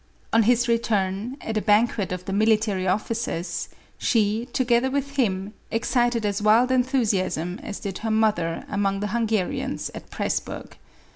On his return, at a banquet of the military officers, she, together with him, excited as wild enthusiasm as did her mother among the Hun garians at Presburg.